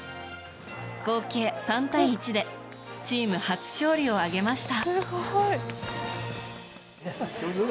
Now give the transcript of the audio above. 合計３対１でチーム初勝利を挙げました。